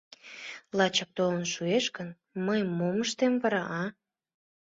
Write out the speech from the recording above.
Лачак толын шуэш гын, мый мом ыштем вара, а?